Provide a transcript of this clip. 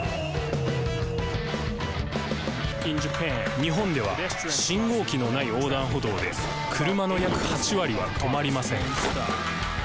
日本では信号機のない横断歩道で車の約８割は止まりません。